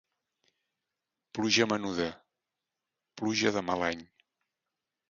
Pluja menuda, pluja de mal any.